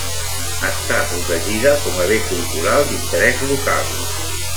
Està protegida com a Bé Cultural d'Interès Local.